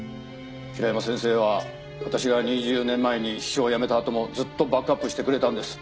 平山先生は私が２０年前に秘書を辞めたあともずっとバックアップしてくれたんです。